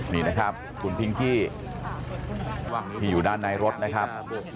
นี่นะครับคุณพิงกี้ที่อยู่ด้านในรถนะครับ